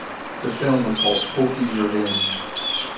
The film was called Porky's Revenge!